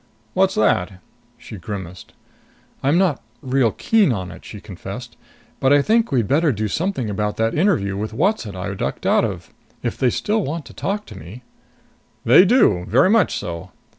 "What's that?" She grimaced. "I'm not real keen on it," she confessed, "but I think we'd better do something about that interview with Whatzzit I ducked out of. If they still want to talk to me " "They do. Very much so."